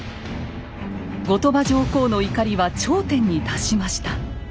後鳥羽上皇の怒りは頂点に達しました。